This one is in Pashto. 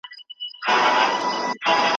اوس به څنګه نكلچي غاړه تازه كي